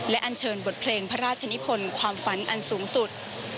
และอันเชิญบทเพลงพระราชนิพลความฝันอันสูงสุด